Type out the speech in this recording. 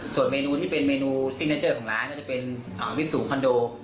ส่วนเมนูที่เป็นเมนูซิกเนเจอร์ของร้านก็จะเป็นวิสุคอนโด